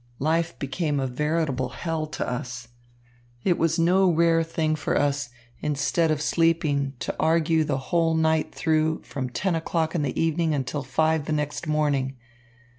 Life became a veritable hell to us. It was no rare thing for us, instead of sleeping, to argue the whole night through, from ten o'clock in the evening until five the next morning.